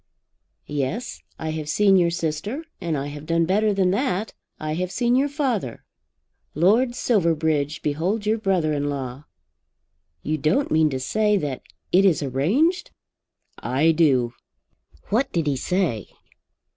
"Yes, I have seen your sister. And I have done better than that. I have seen your father. Lord Silverbridge, behold your brother in law." "You don't mean to say that it is arranged?" "I do." "What did he say?"